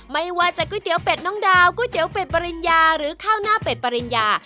ไม่ว่าจะก๋วยเตี๋ยวเป็ดน้องดาวก๋วยเตี๋ยวเป็ดปริญญาหรือข้าวหน้าเป็ดปริญญา